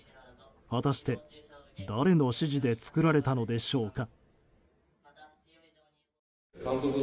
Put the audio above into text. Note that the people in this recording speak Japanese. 果たして、誰の指示で作られたのでしょうか。